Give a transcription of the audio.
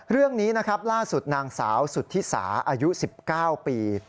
เรื่องนี้นางสาวสุธิสาอายุ๑๙ปี